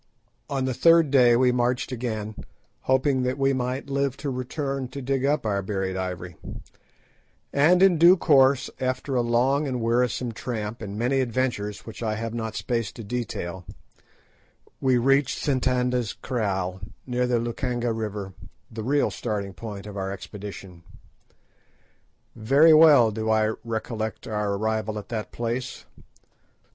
On the third day we marched again, hoping that we might live to return to dig up our buried ivory, and in due course, after a long and wearisome tramp, and many adventures which I have not space to detail, we reached Sitanda's Kraal, near the Lukanga River, the real starting point of our expedition. Very well do I recollect our arrival at that place.